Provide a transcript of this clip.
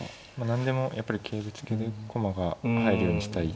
何でもやっぱり桂ぶつけで駒が入るようにしたい。